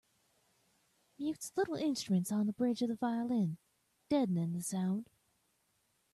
Mutes little instruments on the bridge of the violin, deadening the sound